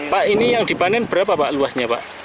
pak ini yang dipanen berapa pak luasnya pak